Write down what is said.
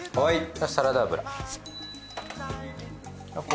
はい。